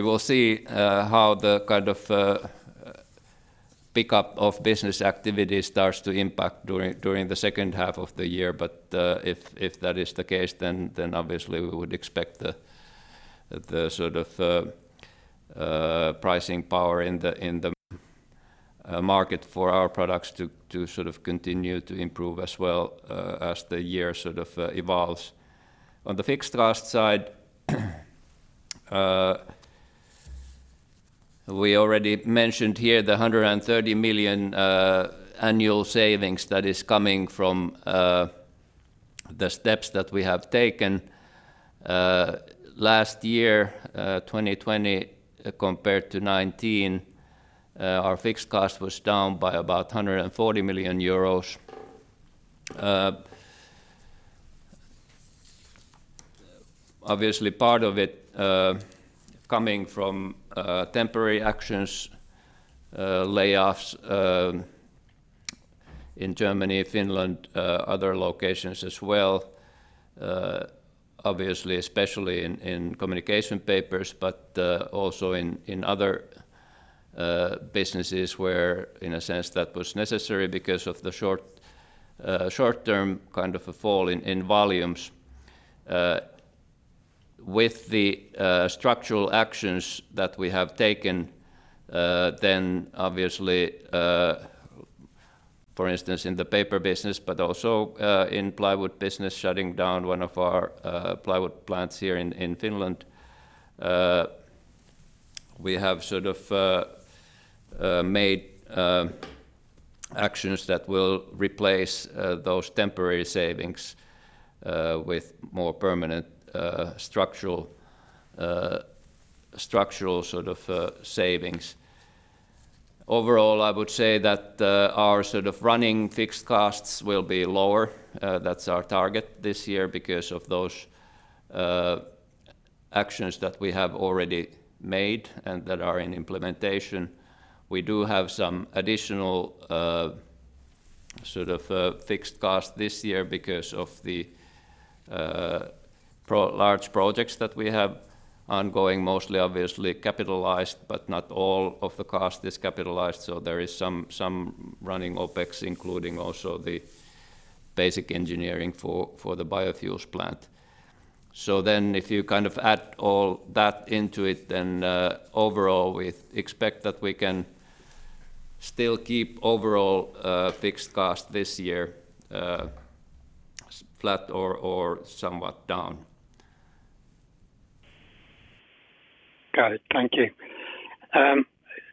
will see how the kind of pickup of business activity starts to impact during the second half of the year. If that is the case, obviously we would expect the sort of pricing power in the market for our products to sort of continue to improve as well as the year sort of evolves. On the fixed cost side, we already mentioned here the 130 million annual savings that is coming from the steps that we have taken. Last year, 2020 compared to 2019, our fixed cost was down by about 140 million euros. Part of it coming from temporary actions, layoffs in Germany, Finland other locations as well. Especially in Communication Papers, but also in other businesses where, in a sense, that was necessary because of the short-term kind of a fall in volumes. With the structural actions that we have taken for instance in the paper business, but also in plywood business shutting down one of our plywood plants here in Finland, we have sort of made actions that will replace those temporary savings with more permanent structural sort of savings. Overall, I would say that our sort of running fixed costs will be lower. That's our target this year because of those actions that we have already made and that are in implementation. We do have some additional sort of fixed cost this year because of the large projects that we have ongoing, mostly obviously capitalized, but not all of the cost is capitalized, so there is some running OPEX including also the basic engineering for the biofuels plant. If you kind of add all that into it, then overall we expect that we can still keep overall fixed cost this year flat or somewhat down. Got it. Thank you.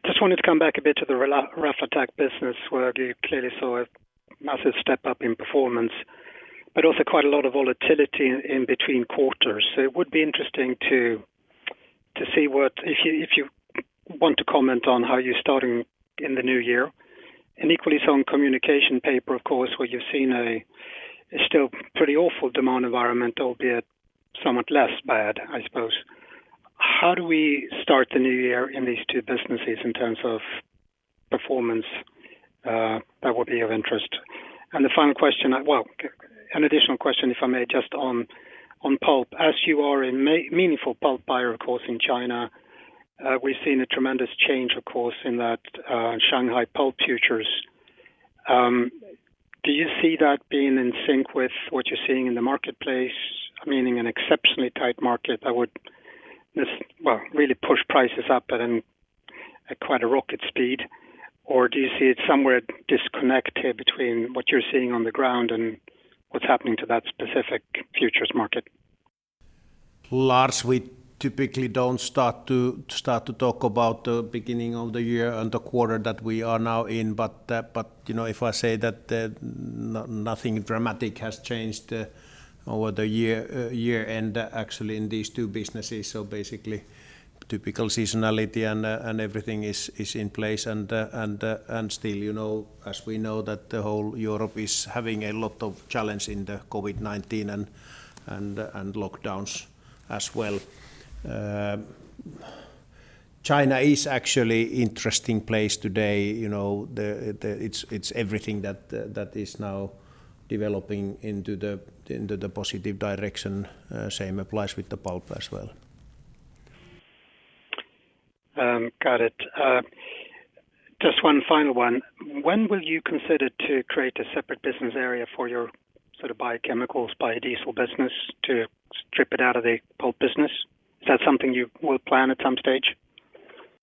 Just wanted to come back a bit to the Raflatac business where you clearly saw a massive step-up in performance, but also quite a lot of volatility in between quarters. It would be interesting to see if you want to comment on how you're starting in the new year, and equally so on Communication Papers, of course, where you've seen a still pretty awful demand environment, albeit somewhat less bad, I suppose. How do we start the new year in these two businesses in terms of performance? That would be of interest. The final question, well, an additional question, if I may, just on pulp. As you are a meaningful pulp buyer, of course, in China, we've seen a tremendous change, of course, in that Shanghai pulp futures. Do you see that being in sync with what you're seeing in the marketplace? Meaning an exceptionally tight market that would, well, really push prices up at quite a rocket speed. Do you see it somewhere disconnected between what you're seeing on the ground and what's happening to that specific futures market? Lars, we typically don't start to talk about the beginning of the year and the quarter that we are now in. If I say that nothing dramatic has changed over the year and actually in these two businesses, basically typical seasonality and everything is in place and still, as we know that the whole of Europe is having a lot of challenge in the COVID-19 and lockdowns as well. China is actually interesting place today. It's everything that is now developing into the positive direction. Same applies with the pulp as well. Got it. Just one final one. When will you consider to create a separate business area for your biochemicals, biodiesel business to strip it out of the pulp business? Is that something you will plan at some stage?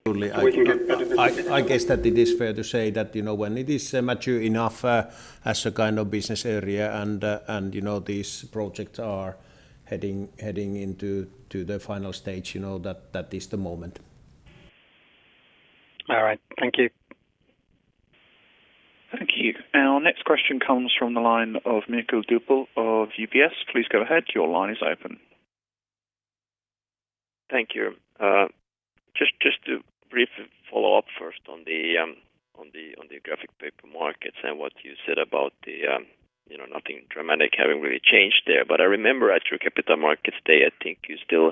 Absolutely. I guess that it is fair to say that when it is mature enough as a kind of business area and these projects are heading into the final stage, that is the moment. All right. Thank you. Thank you. Our next question comes from the line of Mikael Doepel of UBS. Please go ahead. Your line is open. Thank you. Just to briefly follow up first on the graphic paper markets and what you said about nothing dramatic having really changed there. I remember at your Capital Markets Day, I think you still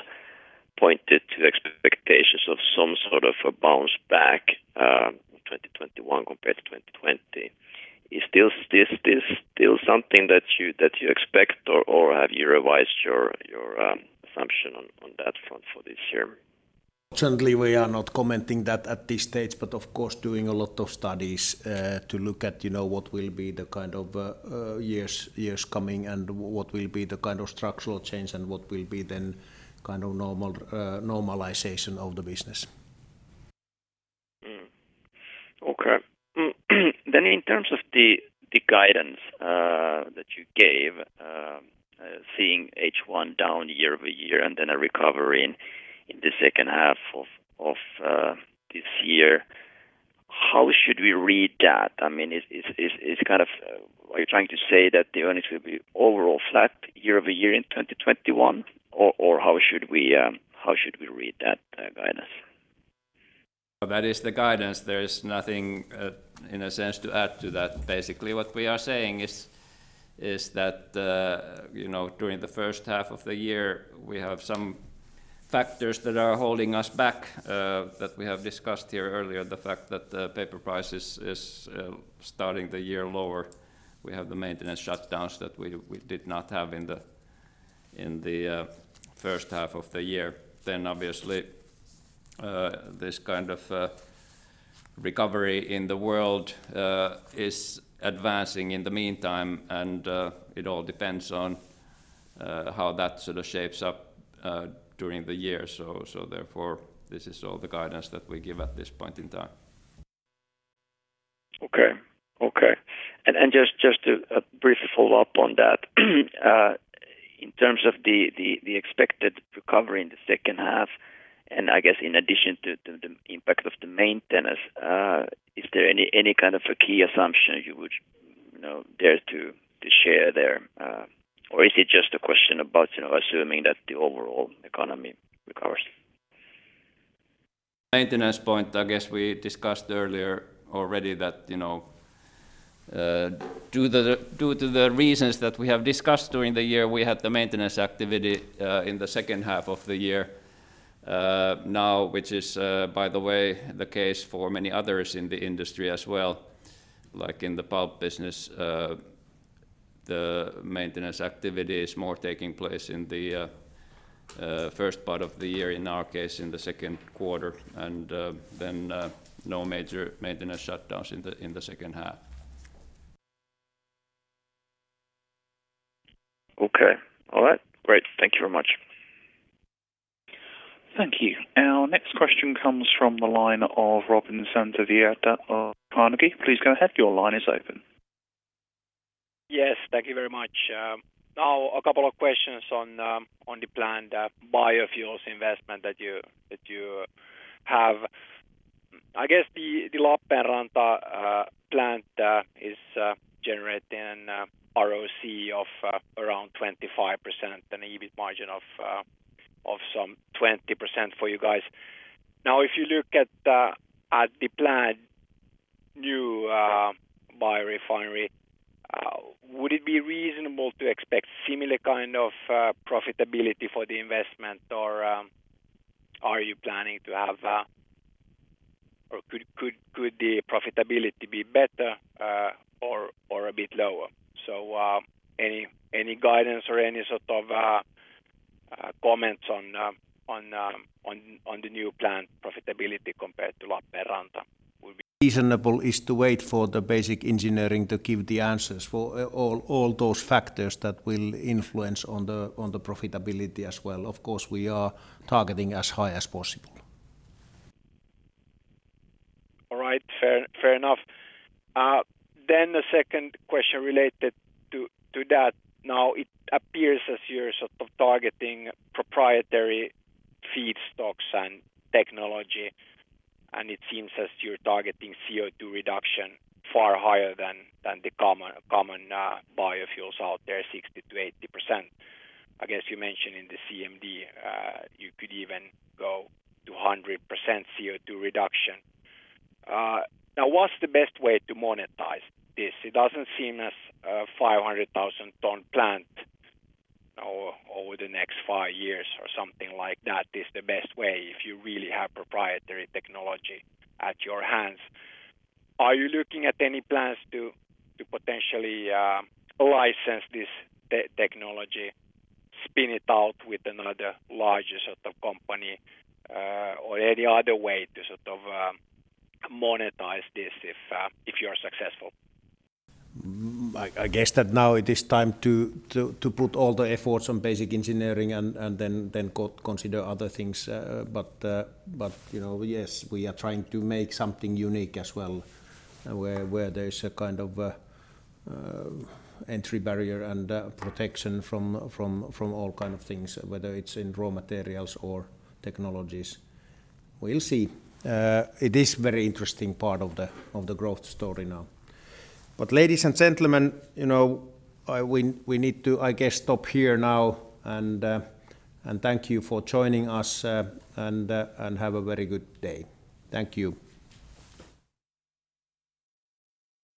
pointed to expectations of some sort of a bounce back, 2021 compared to 2020. Is this still something that you expect, or have you revised your assumption on that front for this year? We are not commenting that at this stage, but of course, doing a lot of studies to look at what will be the kind of years coming and what will be the kind of structural change and what will be then kind of normalization of the business. Okay. In terms of the guidance that you gave, seeing H1 down year-over-year and then a recovery in the second half of this year, how should we read that? Are you trying to say that the earnings will be overall flat year-over-year in 2021, or how should we read that guidance? That is the guidance. There is nothing, in a sense, to add to that. Basically what we are saying is that during the first half of the year, we have some factors that are holding us back, that we have discussed here earlier. The fact that the paper price is starting the year lower. We have the maintenance shutdowns that we did not have in the first half of the year. Obviously, this kind of recovery in the world is advancing in the meantime and it all depends on how that sort of shapes up during the year. Therefore, this is all the guidance that we give at this point in time. Okay. Just a brief follow-up on that. In terms of the expected recovery in the second half, I guess in addition to the impact of the maintenance, is there any kind of a key assumption you would dare to share there? Is it just a question about assuming that the overall economy recovers? Maintenance point, I guess we discussed earlier already that due to the reasons that we have discussed during the year, we had the maintenance activity in the second half of the year, now which is, by the way, the case for many others in the industry as well, like in the pulp business, the maintenance activity is more taking place in the first part of the year, in our case, in the second quarter, and then no major maintenance shutdowns in the second half. Okay. All right. Great. Thank you very much. Thank you. Our next question comes from the line of Robin Santavirta of Carnegie. Please go ahead. Your line is open. Yes, thank you very much. A couple of questions on the planned biofuels investment that you have. I guess the Lappeenranta plant is generating an ROC of around 25%, an EBIT margin of some 20% for you guys. If you look at the planned new biorefinery, would it be reasonable to expect similar kind of profitability for the investment, or could the profitability be better or a bit lower? Any guidance or any sort of comments on the new plant profitability compared to Lappeenranta? Reasonable is to wait for the basic engineering to give the answers for all those factors that will influence on the profitability as well. Of course, we are targeting as high as possible. All right. Fair enough. The second question related to that. It appears as you're sort of targeting proprietary feedstocks and technology, and it seems as you're targeting CO2 reduction far higher than the common biofuels out there, 60%-80%. I guess you mentioned in the CMD, you could even go to 100% CO2 reduction. What's the best way to monetize this? It doesn't seem as a 500,000-tonne plant over the next five years or something like that is the best way if you really have proprietary technology at your hands. Are you looking at any plans to potentially license this technology, spin it out with another larger sort of company, or any other way to sort of monetize this if you are successful? I guess that now it is time to put all the efforts on basic engineering and then consider other things. Yes, we are trying to make something unique as well, where there is a kind of entry barrier and protection from all kind of things, whether it's in raw materials or technologies. We'll see. It is very interesting part of the growth story now. Ladies and gentlemen, we need to, I guess, stop here now, and thank you for joining us, and have a very good day. Thank you.